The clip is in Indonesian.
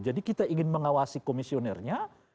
jadi kita ingin mengawasi komisionernya